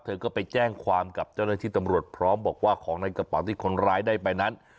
เธอก็ไปแจ้งความกับเจ้าหน้าที่ตำรวจพร้อมบอกว่าของในกระเป๋าที่คนร้ายได้ไปนั้น